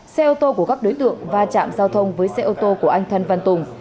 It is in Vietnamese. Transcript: xe ô tô của các đối tượng va chạm giao thông với xe ô tô của anh thân văn tùng